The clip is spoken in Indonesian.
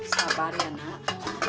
sabar ya nak